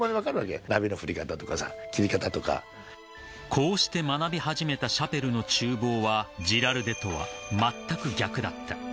［こうして学び始めたシャペルの厨房はジラルデとはまったく逆だった］